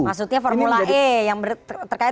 maksudnya formula e yang terkait